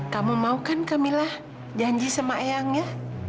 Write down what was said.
kamu mau kan kamilah janji sama eyang ya